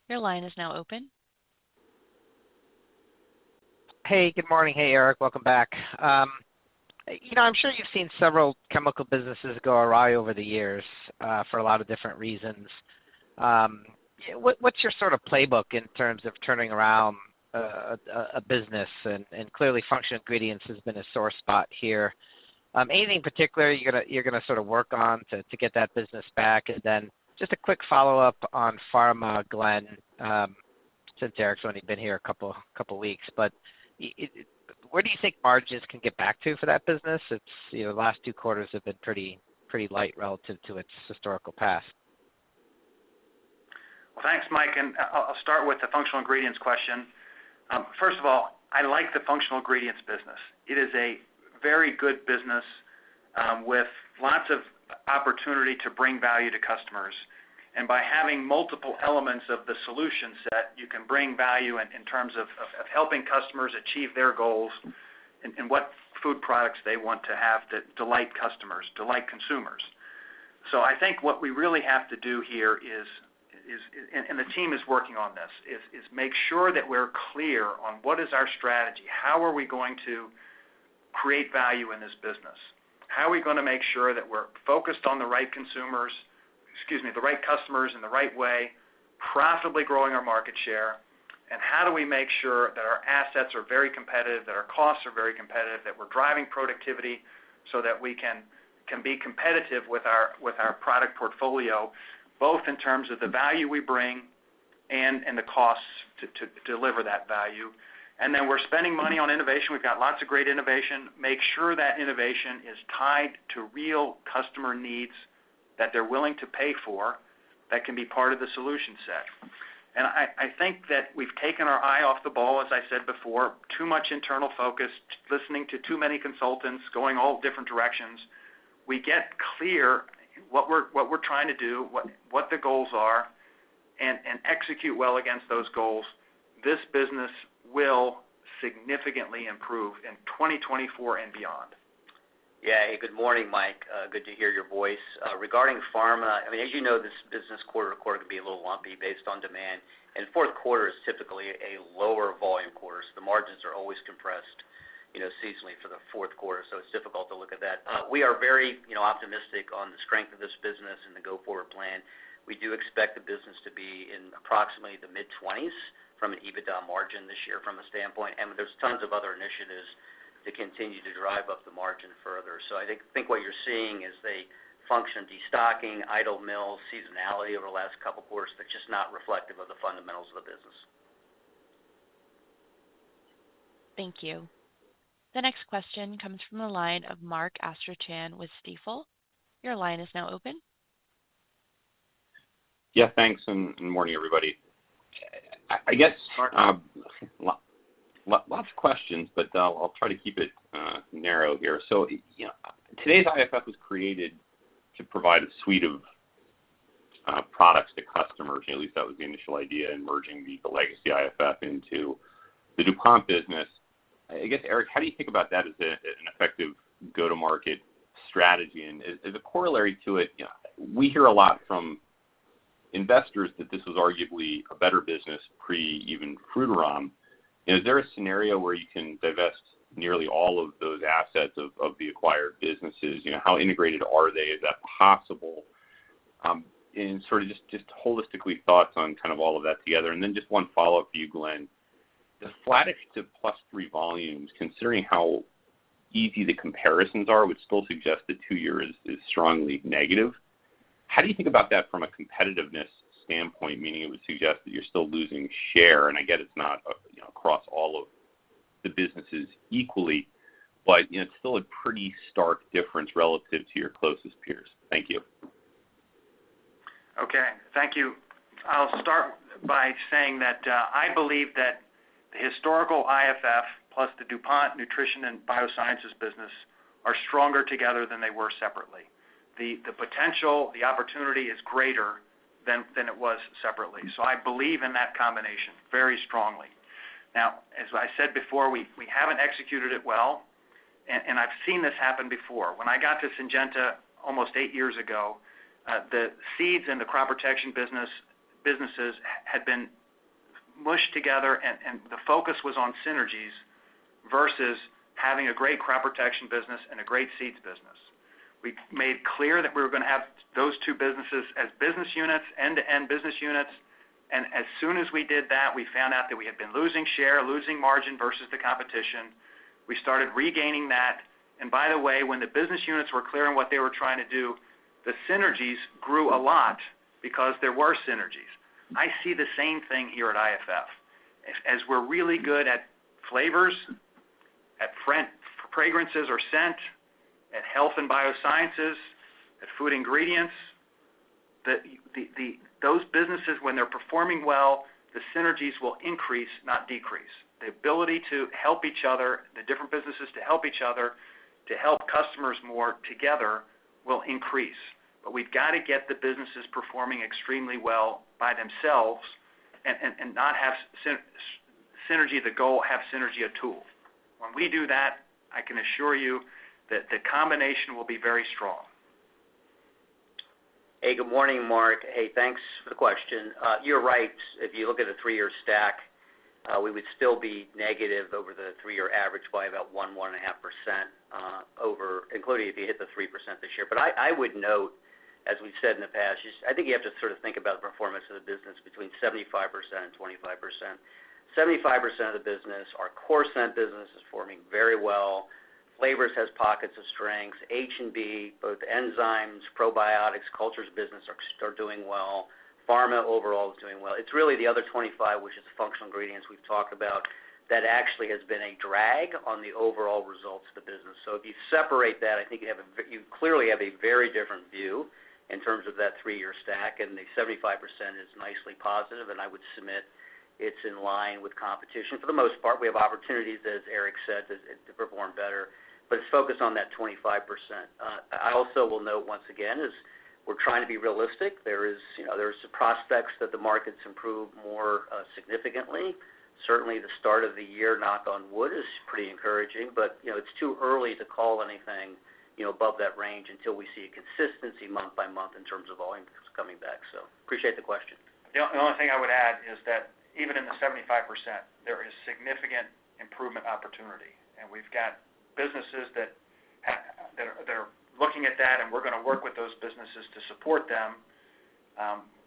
Your line is now open. Hey, good morning. Hey, Erik. Welcome back. I'm sure you've seen several chemical businesses go awry over the years for a lot of different reasons. What's your sort of playbook in terms of turning around a business? Clearly, functional ingredients has been a sore spot here. Anything in particular you're going to sort of work on to get that business back? Then just a quick follow-up on pharma, Glenn, since Erik's only been here a couple of weeks. Where do you think margins can get back to for that business? The last two quarters have been pretty light relative to its historical past. Well, thanks, Mike. I'll start with the functional ingredients question. First of all, I like the functional ingredients business. It is a very good business with lots of opportunity to bring value to customers. By having multiple elements of the solution set, you can bring value in terms of helping customers achieve their goals and what food products they want to have that delight customers, delight consumers. So I think what we really have to do here is and the team is working on this, is make sure that we're clear on what is our strategy. How are we going to create value in this business? How are we going to make sure that we're focused on the right consumers excuse me, the right customers in the right way, profitably growing our market share? And how do we make sure that our assets are very competitive, that our costs are very competitive, that we're driving productivity so that we can be competitive with our product portfolio, both in terms of the value we bring and the costs to deliver that value? And then we're spending money on innovation. We've got lots of great innovation. Make sure that innovation is tied to real customer needs that they're willing to pay for that can be part of the solution set. I think that we've taken our eye off the ball, as I said before, too much internal focus, listening to too many consultants, going all different directions. We get clear what we're trying to do, what the goals are, and execute well against those goals. This business will significantly improve in 2024 and beyond. Yeah. Hey, good morning, Mike. Good to hear your voice. Regarding pharma, I mean, as you know, this business quarter to quarter can be a little lumpy based on demand. Fourth quarter is typically a lower volume quarter. So the margins are always compressed seasonally for the fourth quarter. So it's difficult to look at that. We are very optimistic on the strength of this business and the go-forward plan. We do expect the business to be in approximately the mid-20s EBITDA margin this year from a standpoint. There's tons of other initiatives to continue to drive up the margin further. I think what you're seeing is the functional destocking, idle mills, seasonality over the last couple of quarters that's just not reflective of the fundamentals of the business. Thank you. The next question comes from the line of Mark Astrachan with Stifel. Your line is now open. Yeah, thanks. Good morning, everybody. I guess lots of questions, but I'll try to keep it narrow here. So today's IFF was created to provide a suite of products to customers. At least that was the initial idea, merging the legacy IFF into the DuPont business. I guess, Erik, how do you think about that as an effective go-to-market strategy? Is it corollary to it? We hear a lot from investors that this was arguably a better business pre-DuPont. Is there a scenario where you can divest nearly all of those assets of the acquired businesses? How integrated are they? Is that possible? And sort of just holistically thoughts on kind of all of that together. And then just one follow-up for you, Glenn. The flattish to plus three volumes, considering how easy the comparisons are, would still suggest the two-year is strongly negative. How do you think about that from a competitiveness standpoint, meaning it would suggest that you're still losing share? And I get it's not across all of the businesses equally, but it's still a pretty stark difference relative to your closest peers. Thank you. Okay. Thank you. I'll start by saying that I believe that the historical IFF plus the DuPont Nutrition & Biosciences business are stronger together than they were separately. The potential, the opportunity is greater than it was separately. So I believe in that combination very strongly. Now, as I said before, we haven't executed it well. And I've seen this happen before. When I got to Syngenta almost eight years ago, the seeds and the crop protection businesses had been mushed together, and the focus was on synergies versus having a great crop protection business and a great seeds business. We made clear that we were going to have those two businesses as business units, end-to-end business units. And as soon as we did that, we found out that we had been losing share, losing margin versus the competition. We started regaining that. And by the way, when the business units were clear on what they were trying to do, the synergies grew a lot because there were synergies. I see the same thing here at IFF. As we're really good at flavors, at fragrances or scent, at health and biosciences, at food ingredients, those businesses, when they're performing well, the synergies will increase, not decrease. The ability to help each other, the different businesses to help each other, to help customers more together will increase. But we've got to get the businesses performing extremely well by themselves and not have synergy the goal, have synergy a tool. When we do that, I can assure you that the combination will be very strong. Hey, good morning, Mark. Hey, thanks for the question. You're right. If you look at a three-year stack, we would still be negative over the three-year average by about 1%-1.5%, including if you hit the 3% this year. But I would note, as we've said in the past, I think you have to sort of think about the performance of the business between 75% and 25%. 75% of the business, our core scent business, is forming very well. Flavors has pockets of strengths. H and B, both enzymes, probiotics, cultures business are doing well. Pharma overall is doing well. It's really the other 25, which is the functional ingredients we've talked about, that actually has been a drag on the overall results of the business. So if you separate that, I think you clearly have a very different view in terms of that three-year stack. And the 75% is nicely positive. I would submit it's in line with competition for the most part. We have opportunities, as Erik said, to perform better. But it's focused on that 25%. I also will note once again, as we're trying to be realistic, there are some prospects that the markets improve more significantly. Certainly, the start of the year, knock on wood, is pretty encouraging. But it's too early to call anything above that range until we see a consistency month by month in terms of volume coming back. So appreciate the question. The only thing I would add is that even in the 75%, there is significant improvement opportunity. And we've got businesses that are looking at that, and we're going to work with those businesses to support them,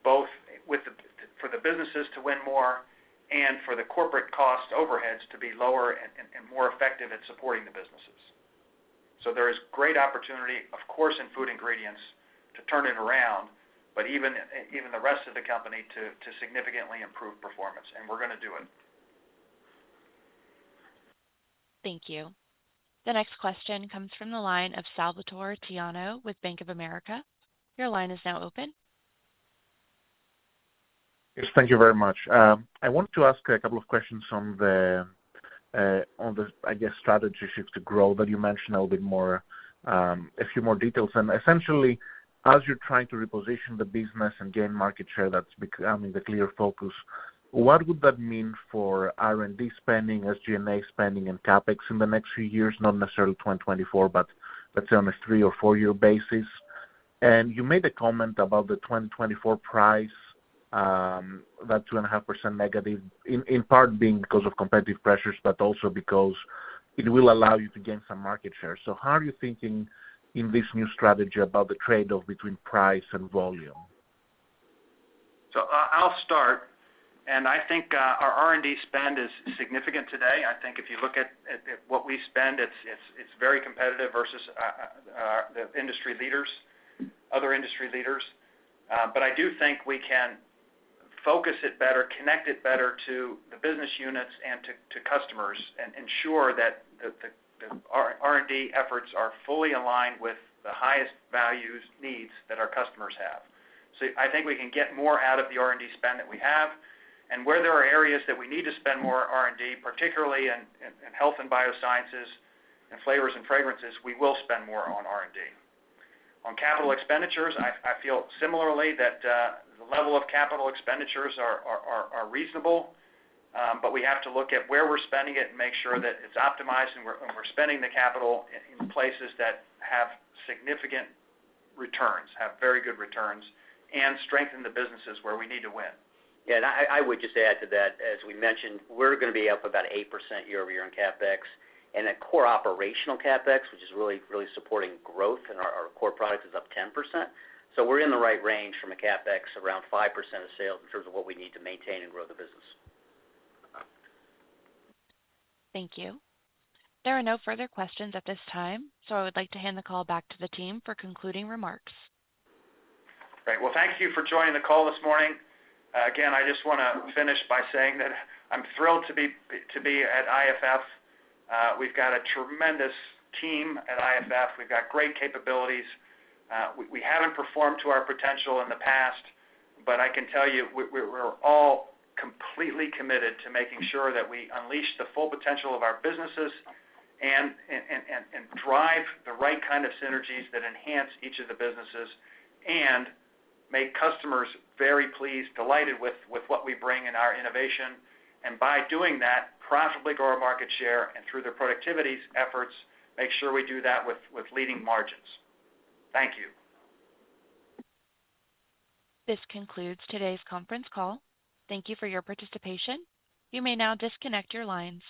both for the businesses to win more and for the corporate cost overheads to be lower and more effective at supporting the businesses. So there is great opportunity, of course, in food ingredients to turn it around, but even the rest of the company to significantly improve performance. And we're going to do it. Thank you. The next question comes from the line of Salvatorre Tiano with Bank of America. Your line is now open. Yes. Thank you very much. I wanted to ask a couple of questions on the, I guess, strategy shift to grow that you mentioned a little bit more, a few more details. And essentially, as you're trying to reposition the business and gain market share, that's becoming the clear focus, what would that mean for R&D spending, SG&A spending, and CapEx in the next few years, not necessarily 2024, but let's say on a three or four-year basis? You made a comment about the 2024 price, that 2.5% negative, in part being because of competitive pressures, but also because it will allow you to gain some market share. How are you thinking in this new strategy about the trade-off between price and volume? I'll start. I think our R&D spend is significant today. I think if you look at what we spend, it's very competitive versus the industry leaders, other industry leaders. I do think we can focus it better, connect it better to the business units and to customers, and ensure that the R&D efforts are fully aligned with the highest values needs that our customers have. I think we can get more out of the R&D spend that we have. Where there are areas that we need to spend more R&D, particularly in health and biosciences and flavors and fragrances, we will spend more on R&D. On capital expenditures, I feel similarly that the level of capital expenditures are reasonable. But we have to look at where we're spending it and make sure that it's optimized and we're spending the capital in places that have significant returns, have very good returns, and strengthen the businesses where we need to win. Yeah. I would just add to that, as we mentioned, we're going to be up about 8% year-over-year in CapEx. And the core operational CapEx, which is really, really supporting growth, and our core product is up 10%. So we're in the right range from a CapEx around 5% of sales in terms of what we need to maintain and grow the business. Thank you. There are no further questions at this time. I would like to hand the call back to the team for concluding remarks. All right. Well, thank you for joining the call this morning. Again, I just want to finish by saying that I'm thrilled to be at IFF. We've got a tremendous team at IFF. We've got great capabilities. We haven't performed to our potential in the past. But I can tell you, we're all completely committed to making sure that we unleash the full potential of our businesses and drive the right kind of synergies that enhance each of the businesses and make customers very pleased, delighted with what we bring in our innovation. By doing that, profitably grow our market share, and through their productivity efforts, make sure we do that with leading margins. Thank you. This concludes today's conference call. Thank you for your participation. You may now disconnect your lines.